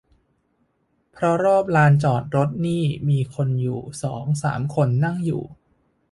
เพราะรอบลานจอดรถนี่มีคนอยู่สองสามคนนั่งอยู่